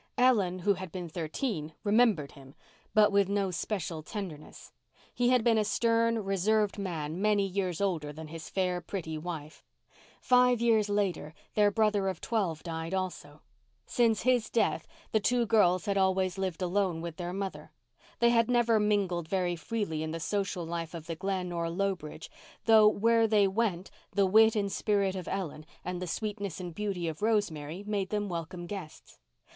Ellen, who had been thirteen, remembered him, but with no special tenderness. He had been a stern, reserved man many years older than his fair, pretty wife. Five years later their brother of twelve died also; since his death the two girls had always lived alone with their mother. They had never mingled very freely in the social life of the Glen or Lowbridge, though where they went the wit and spirit of Ellen and the sweetness and beauty of Rosemary made them welcome guests.